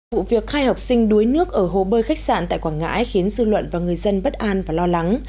vụ việc hai học sinh đuối nước ở hồ bơi khách sạn tại quảng ngãi khiến dư luận và người dân bất an và lo lắng